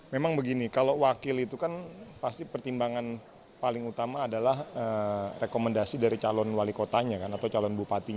memang begini kalau wakil itu kan pasti pertimbangan paling utama adalah rekomendasi dari calon wali kotanya kan atau calon bupatinya